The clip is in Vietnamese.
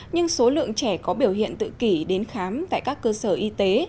nhưng số lượng trẻ có biểu hiện tự kỷ đến khám tại các cơ sở y tế